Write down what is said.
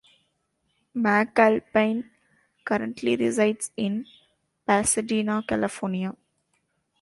MacAlpine currently resides in Pasadena, California.